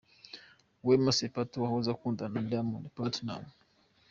Wema Sepetu yahoze akundana na Diamond Platnumz.